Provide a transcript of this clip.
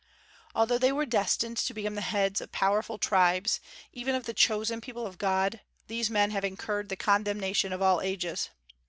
Although they were destined to become the heads of powerful tribes, even of the chosen people of God, these men have incurred the condemnation of all ages.